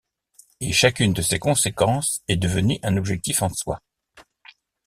Et chacune de ces conséquences est devenue un objectif en soi.